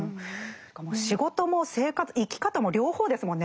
仕事も生き方も両方ですもんね。